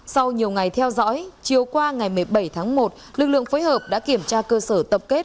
sau nhiều ngày theo dõi chiều qua ngày một mươi bảy tháng một lực lượng phối hợp đã kiểm tra cơ sở tập kết